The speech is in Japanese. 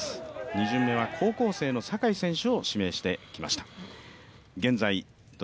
２巡目は高校生の坂井選手を指名してきました。